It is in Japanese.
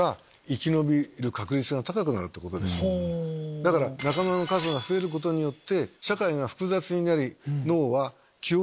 だから仲間の数が増えることによって。